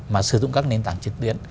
mà sử dụng các nền tảng trực tuyến